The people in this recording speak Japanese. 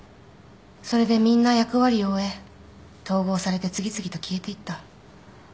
それでみんな役割を終え統合されて次々と消えていった。